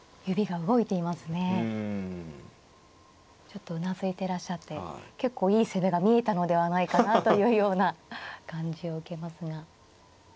ちょっとうなずいていらっしゃって結構いい攻めが見えたのではないかなというような感じを受けますが。